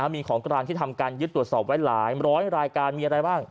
มีของกลางที่ทำการยึดตรวจสอบไว้หลายร้อยรายการมีอะไรบ้าง